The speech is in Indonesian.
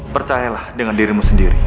percayalah dengan dirimu sendiri